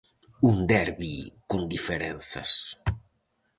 Un derbi con diferenzas.